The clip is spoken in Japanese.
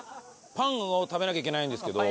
パンを食べなきゃいけないんですけど。